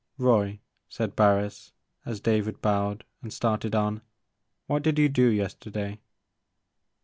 " Roy," said Barris as David bowed and started on, " what did you do yesterday